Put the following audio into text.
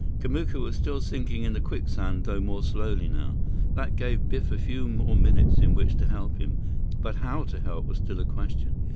Kamuka was still sinking in the quicksand, though more slowly now. That gave Biff a few more minutes in which to help him; but how to help was still a question.